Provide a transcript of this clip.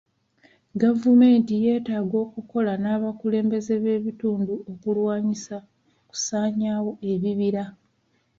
Gavumenti yeetaaga okukola n'abakulembeze b'ebitundu okulwanyisa okusaanyaawo ebibira.